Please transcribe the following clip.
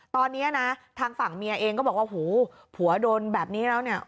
ตอนนี้นะทางฝั่งเมียเองก็บอกว่าหูผัวโดนแบบนี้แล้วเนี่ย